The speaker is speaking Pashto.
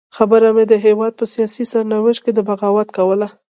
خبره مې د هېواد په سیاسي سرنوشت کې د بغاوت کوله.